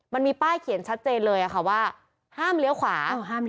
มันมีป้ายเขียนชัดเจนเลยค่ะว่าห้ามเลี้ยวขวา